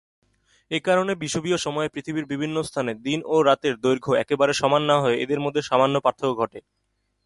এসব কারণে বিষুবীয় সময়ে পৃথিবীর বিভিন্ন স্থানে দিন ও রাতের দৈর্ঘ্য একেবারে সমান না হয়ে এদের মধ্যে সামান্য পার্থক্য ঘটে।